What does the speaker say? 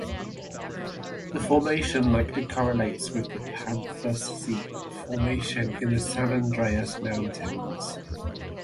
The formation likely correlates with the Panther Seep Formation in the San Andres Mountains.